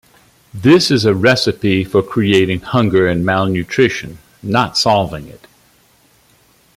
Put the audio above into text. This is a recipe for creating hunger and malnutrition, not solving it.